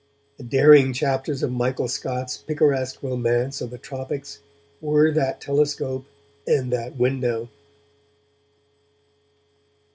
The daring chapters of Michael Scott's picaresque romance of the tropics were that telescope and that window.